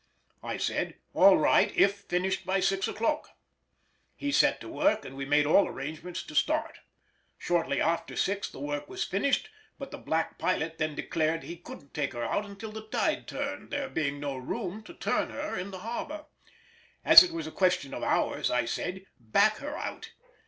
I said "All right, if finished by six o'clock": he set to work, and we made all arrangements to start. Shortly after six the work was finished, but the black pilot then declared he couldn't take her out until the tide turned, there being no room to turn her in the harbour. As it was a question of hours I said, "Back her out."